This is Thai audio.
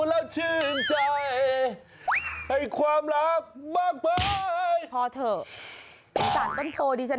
จะได้ให้รักความรักมากเลย